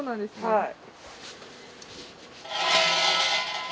はい。